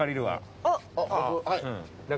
はい。